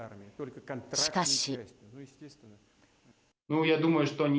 しかし。